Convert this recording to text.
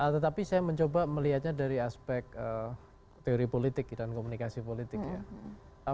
tetapi saya mencoba melihatnya dari aspek teori politik dan komunikasi politik ya